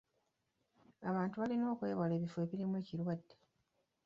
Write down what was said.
Abantu balina okwewala ebifo ebirimu ekirwadde.